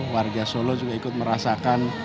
warga solo juga ikut merasakan